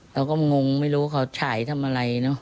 เราก็งงไม่รู้เขาฉายทำอะไร